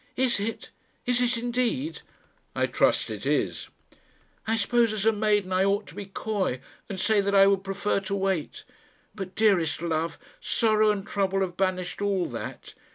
"Is it? Is it indeed?" "I trust it is." "I suppose as a maiden I ought to be coy, and say that I would prefer to wait; but, dearest love, sorrow and trouble have banished all that.